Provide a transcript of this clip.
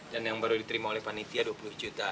dan yang baru diterima oleh panitia dua puluh juta